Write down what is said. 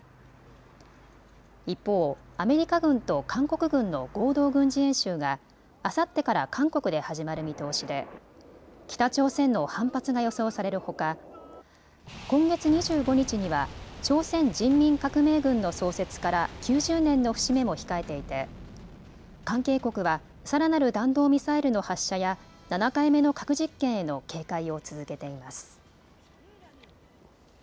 一方、アメリカ軍と韓国軍の合同軍事演習があさってから韓国で始まる見通しで北朝鮮の反発が予想されるほか今月２５日には朝鮮人民革命軍の創設から９０年の節目も控えていて関係国はさらなる弾道ミサイルの発射や７回目の核実験への警戒を続けています。